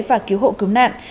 và cứu hộ cứu nạn